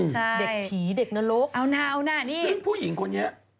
ใช่เอาหน่านี่ซึ่งผู้หญิงคนนี้